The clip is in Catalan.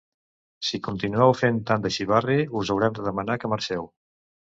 Si continueu fent tant de xivarri, us haurem de demanar que marxeu.